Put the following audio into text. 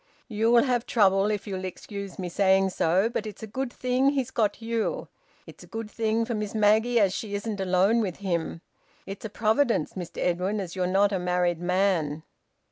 "You'll have trouble, if you'll excuse me saying so. But it's a good thing he's got you. It's a good thing for Miss Maggie as she isn't alone with him. It's a providence, Mr Edwin, as you're not a married man."